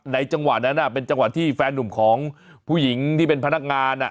จังหวะนั้นเป็นจังหวะที่แฟนหนุ่มของผู้หญิงที่เป็นพนักงาน